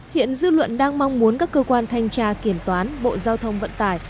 hiện dư luận đang mong muốn các cơ quan thanh tra kiểm toán bộ giao thông vận tải